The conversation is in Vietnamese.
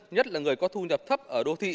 nhất là người có thu nhập thấp ở đô thị